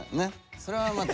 それはまた。